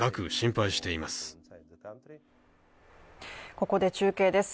ここで中継です。